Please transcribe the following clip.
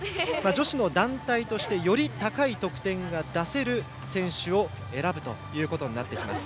女子の団体としてより高い得点が出せる選手を選ぶことになってきます。